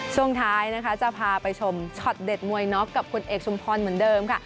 ช่วงท้ายนะคะจะพาไปชมช็อตเด็ดมวยน็อกกับคุณเอกชุมพรเหมือนเดิมค่ะ